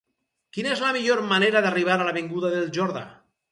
Quina és la millor manera d'arribar a l'avinguda del Jordà?